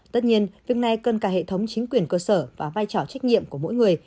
tất nhiên việc này cần cả hệ thống chính quyền cơ sở và vai trò trách nhiệm của mỗi người